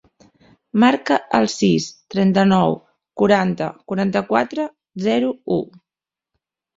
Marca el sis, trenta-nou, quaranta, quaranta-quatre, zero, u.